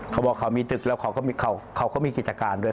เขาบอกเขามีตึกแล้วเขาก็มีกิจการด้วย